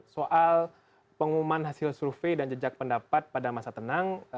soal pengumuman hasil survei dan jejak pendapat pada masa tenang